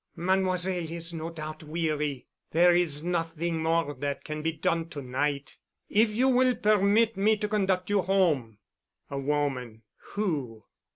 "Mademoiselle is no doubt weary. There is nothing more that can be done to night. If you will permit me to conduct you home." A woman? Who?